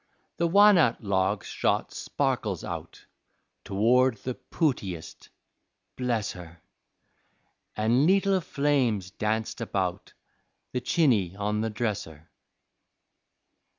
The wa'nut logs shot sparkles out Toward the pootiest, bless her, An' leetle flames danced about The chiny on the dresser.